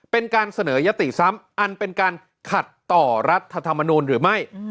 เป็นการเสนอยติซ้ำอันเป็นการขัดต่อรัฐธรรมนูลหรือไม่